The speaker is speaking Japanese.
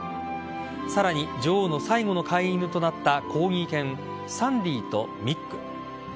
さらに女王の最後の飼い犬となったコーギー犬サンディーとミック。